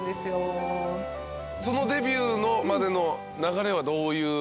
そのデビューまでの流れはどういう？